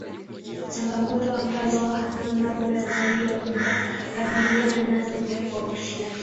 Changamoto ambazo namna bora zaidi ya kukabiliana nazo ni kwa ushirikiano